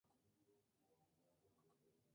Pertenece al municipio Petit.